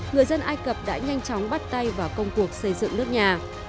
người dân ai cập đã nhanh chóng bắt tay vào công cuộc xây dựng nước nhà